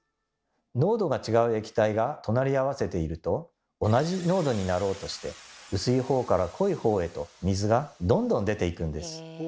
濃度が違う液体が隣り合わせていると同じ濃度になろうとして薄い方から濃い方へと水がどんどん出ていくんです。